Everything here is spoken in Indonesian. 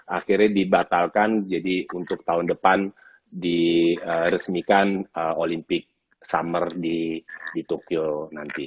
akhirnya dibatalkan jadi untuk tahun depan diresmikan olimpik summer di tokyo nanti